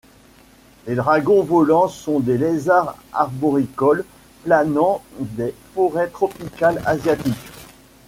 Les Dragons volants sont des lézards arboricoles planants des forêts tropicales asiatiques.